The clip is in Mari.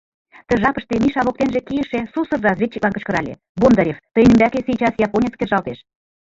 Ты жапыште Миша воктенже кийыше сусыр разведчиклан кычкырале: «Бондарев, тыйын ӱмбаке сейчас японец кержалтеш.